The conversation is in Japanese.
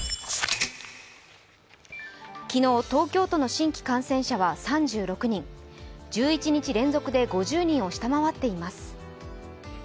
昨日、東京都の新規感染者は３６人、１１日連続で５０人を下回っています。